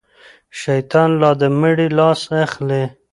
شيطان لا د مړي لاس اخلي.